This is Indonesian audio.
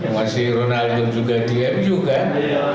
masih ronaldo juga di m u kan